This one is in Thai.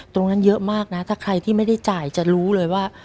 ตรงนั้นเยอะมากนะถ้าใครที่ไม่ได้จ่ายจะรู้เลยว่า